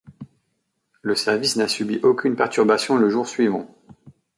Le service n'a subi aucune perturbation le jour suivant.